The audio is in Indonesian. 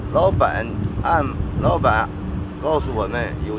bapak mengatakan kami kita harus memiliki peraturan yang jauh